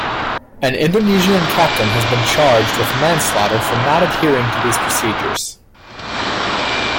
An Indonesian captain has been charged with manslaughter for not adhering to these procedures.